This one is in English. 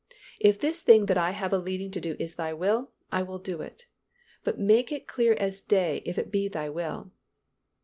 If this thing that I have a leading to do is Thy will, I will do it, but make it clear as day if it be Thy will."